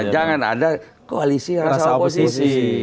jangan ada koalisi yang rasa oposisi